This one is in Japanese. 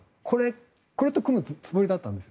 これと組むつもりだったんです。